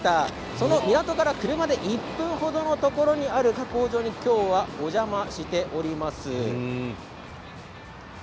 その港から車で１分程のところにある加工場に今日はお邪魔しております。